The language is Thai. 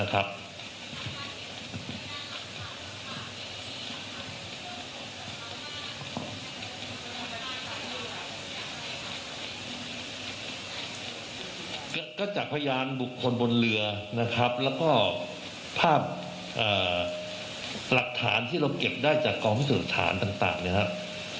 ก็จากพยานบุคคลบนเรือนะครับแล้วก็ภาพหลักฐานที่เราเก็บได้จากกองพิสูจน์ฐานต่างนะครับ